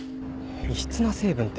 異質な成分って。